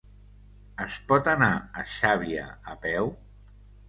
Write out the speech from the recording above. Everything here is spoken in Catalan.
Es pot anar a Xàbia a peu?